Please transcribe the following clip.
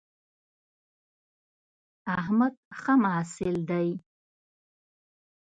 احمد ښه محصل دی